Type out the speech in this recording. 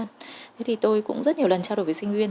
thế thì tôi cũng rất nhiều lần trao đổi với sinh viên